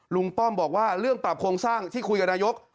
ป้อมบอกว่าเรื่องปรับโครงสร้างที่คุยกับนายก